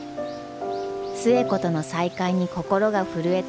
寿恵子との再会に心が震えた万太郎。